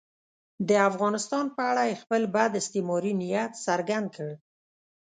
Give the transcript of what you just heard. د افغانستان په اړه یې خپل بد استعماري نیت څرګند کړ.